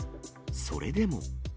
それでも。